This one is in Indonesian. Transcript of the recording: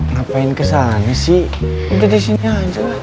ngapain kesana sih udah disini aja lah